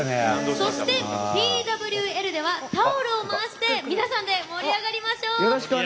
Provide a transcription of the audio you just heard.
そして「Ｔ．Ｗ．Ｌ」ではタオルを回して皆さんで盛り上がりましょう。